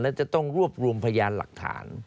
และจะต้องรวบรวมพยานหลักฐาน